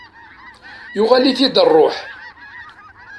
Yuɣal-it-id rruḥ.